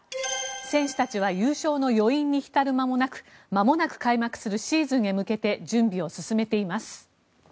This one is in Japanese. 選手たちは優勝の余韻に浸る間もなくまもなく開幕するシーズンへ向けて準備を進めています。